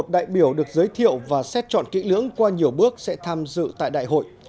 bốn trăm linh một đại biểu được giới thiệu và xét chọn kỹ lưỡng qua nhiều bước sẽ tham dự tại đại hội